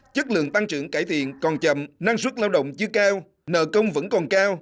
chất lượng tăng trưởng cải thiện còn chậm năng suất lao động chưa cao nợ công vẫn còn cao